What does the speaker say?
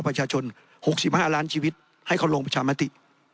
ประชาชนหกสิบห้าล้านชีวิตให้เขาโรงประชามติ